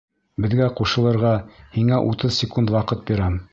Беҙгә ҡушылырға һиңә утыҙ секунд ваҡыт бирәм.